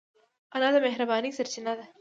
انا د مهربانۍ سرچینه ده